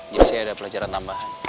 jadi saya ada pelajaran tambahan